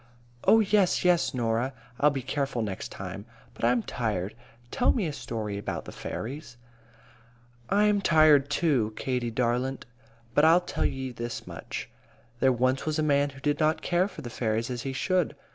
"Oh, yes, yes, Norah. I'll be careful next time. But I'm tired. Tell me a story about the fairies." "I'm tired, too, Katie darlint. But I'll tell ye this much. There once was a man who did not care for the fairies as he should.